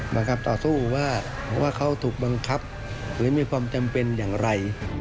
บังคับต่อสู้ว่าเขาถูกบังคับหรือมีความจำเป็นอย่างไร